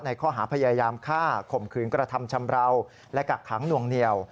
ข้อหาพยายามฆ่าข่มขืนกระทำชำราวและกักขังหน่วงเหนียว